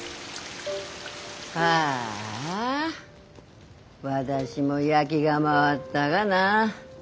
ああ私も焼ぎが回ったがな。